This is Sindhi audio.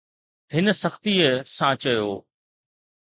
هن سختيءَ سان چيو